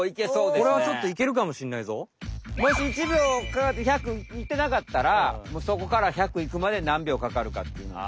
これはちょっともし１秒かかって１００いってなかったらそこから１００いくまで何秒かかるかっていうのを。